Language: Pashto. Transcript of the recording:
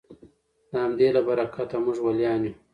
د همدې له برکته موږ ولیان یو